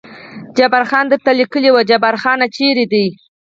جبار خان درته لیکلي و، جبار خان چېرې دی؟